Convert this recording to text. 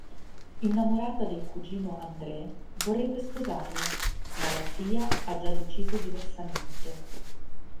Innamorata del cugino André, vorrebbe sposarlo ma la zia ha già deciso diversamente.